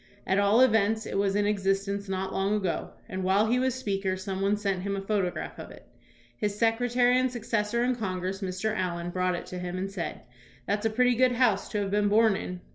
At all events, it was in existence not long ago, and while he was Speaker some one sent him a photo graph of it. His secretary and successor in Congress, Mr. Allen, brought it to him and said, " That's a pretty good house to have been born in."